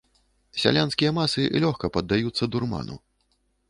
Сялянскія масы лёгка паддаюцца дурману.